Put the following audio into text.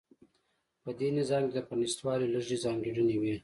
په دې نظام کې د پرانېستوالي لږې ځانګړنې وې.